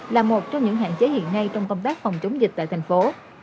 là một trong những hạn chế hiện ngay trong công tác phòng chống dịch tại thành phố